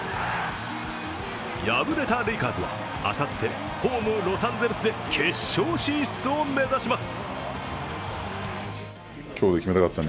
敗れたレイカーズはあさってホーム・ロサンゼルスで決勝進出を目指します。